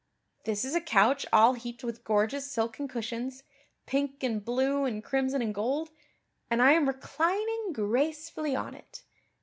This is a couch all heaped with gorgeous silken cushions, pink and blue and crimson and gold, and I am reclining gracefully on it.